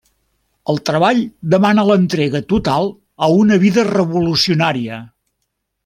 El treball demana l'entrega total a una vida revolucionària.